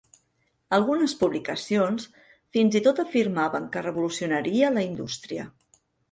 Algunes publicacions fins i tot afirmaven que revolucionaria la indústria.